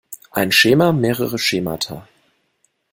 Ein Schema, mehrere Schemata.